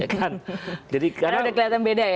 karena udah kelihatan beda ya